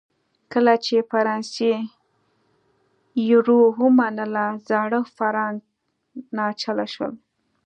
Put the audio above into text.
کله چې فرانسې یورو ومنله زاړه فرانک ناچله شول.